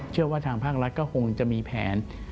เชื่อว่าทางภาครัฐก็คงจะมีแผน